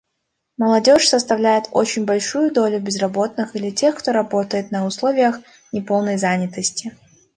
Молодежь составляет очень большую долю безработных или тех, кто работает на условиях неполной занятости.